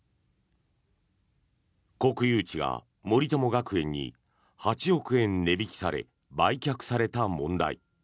国有地が森友学園に８億円値引きされ売却された問題。